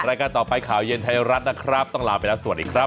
รายการต่อไปข่าวเย็นไทยรัฐนะครับต้องลาไปแล้วสวัสดีครับ